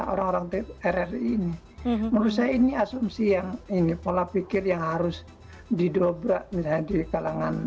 orang orang rri ini menurut saya ini asumsi yang ini pola pikir yang harus didobrak misalnya di kalangan